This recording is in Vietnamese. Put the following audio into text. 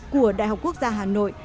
của đại học quốc gia hà nội